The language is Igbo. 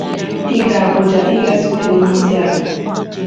ịga Abuja ịga zute onyeisi ala